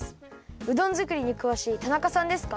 うどん作りにくわしい田中さんですか？